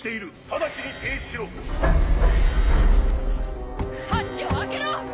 ハッチを開けろ！